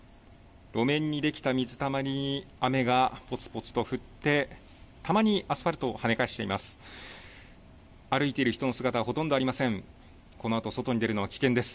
路面に出来た水たまりに雨がぽつぽつと降って、たまにアスファルトを跳ね返しています。